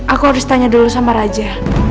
aku harus tanya dulu sama raja